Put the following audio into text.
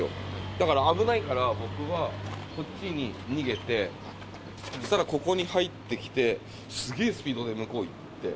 だから危ないから、僕はこっちに逃げて、そしたらここに入ってきて、すげースピードで向こうに行って。